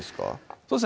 そうですね